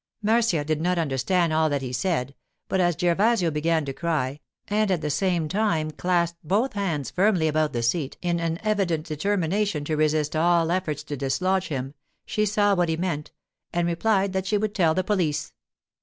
Marcia did not understand all that he said, but as Gervasio began to cry, and at the same time clasped both hands firmly about the seat in an evident determination to resist all efforts to dislodge him, she saw what he meant, and replied that she would tell the police.